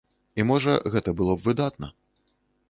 І, можа, гэта было б выдатна.